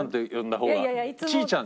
「ちーちゃん」？